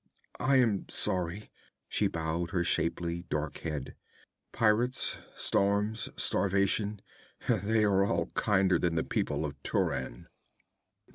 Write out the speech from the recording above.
'I am sorry.' She bowed her shapely dark head. 'Pirates, storms, starvation they are all kinder than the people of Turan.'